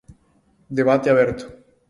Debate aberto.